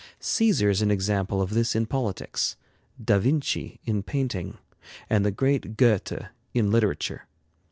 Caesar is an example of this in politics; Da Vinci in painting; and the great Goethe in literature.